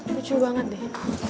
lucu banget deh